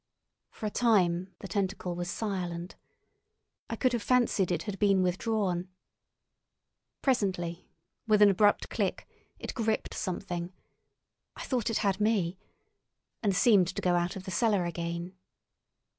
For a time the tentacle was silent. I could have fancied it had been withdrawn. Presently, with an abrupt click, it gripped something—I thought it had me!—and seemed to go out of the cellar again.